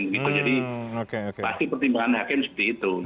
jadi pasti pertimbangan hakim seperti itu